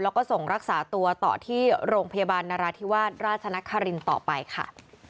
แล้วก็ส่งรักษาตัวต่อที่โรงพยาบาลนราธิวาสราชนครินต่อไปค่ะ